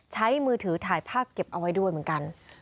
มือถือถ่ายภาพเก็บเอาไว้ด้วยเหมือนกัน